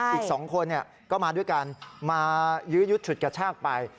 อีก๒คนก็มาด้วยกันมายื้อยุดฉุดกระชากไป